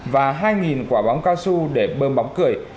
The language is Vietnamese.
và hai quả bóng cao su để bơm bóng cười